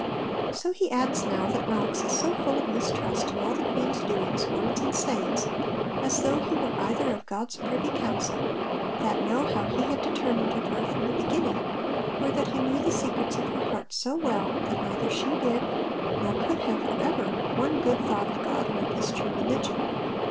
So he adds now that Knox 'is so full of mistrust in all the Queen's doings, words, and sayings, as though he were either of God's privy counsel, that know how He had determined of her from the beginning, or that he knew the secrets of her heart so well, that neither she did nor could have for ever one good thought of God or of His true religion.'